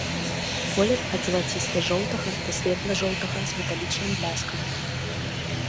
Колер ад залаціста-жоўтага да светла-жоўтага з металічным бляскам.